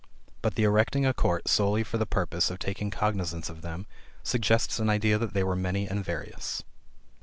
But the erecting a court solely for the purpose of taking cognizance of them, suggests an idea that they were many and various.